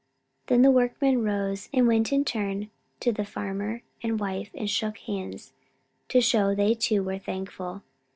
Then the workmen rose and went in turn to the farmer and his wife and shook hands, to show they, too, were thankful.